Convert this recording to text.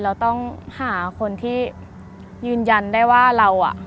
เราต้องหาคนที่ยืนยันได้ว่าเราอ่ะ